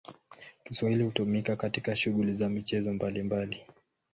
Kiswahili hutumika katika shughuli za michezo mbalimbali.